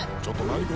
ちょっと何？